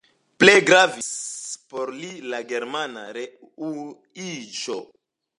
Plej gravis por li la Germana reunuiĝo.